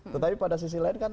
tetapi pada sisi lain kan